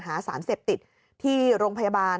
หาสารเสพติดที่โรงพยาบาล